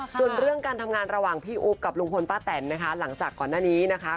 ส่วนเรื่องการทำงานระหว่างพี่อุ๊บกับลุงพลป้าแตนนะคะหลังจากก่อนหน้านี้นะคะ